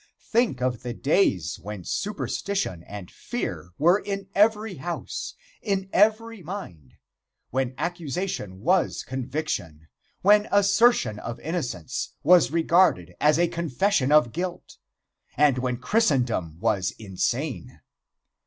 Think of the days when superstition and fear were in every house, in every mind, when accusation was conviction, when assertion of innocence was regarded as a confession of guilt, and when Christendom was insane!